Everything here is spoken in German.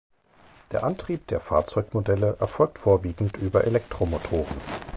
Der Antrieb der Fahrzeugmodelle erfolgt vorwiegend über Elektromotoren.